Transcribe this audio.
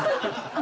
あ！